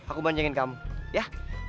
aku banjangin kamu ya